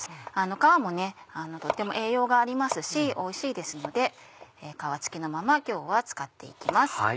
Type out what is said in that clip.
皮もとっても栄養がありますしおいしいですので皮付きのまま今日は使って行きます。